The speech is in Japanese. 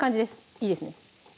いいですね